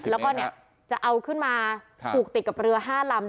แล้วก็จะเอาขึ้นมาผูกติดกับเรือ๕ลำ